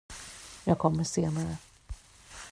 Jag kommer senare.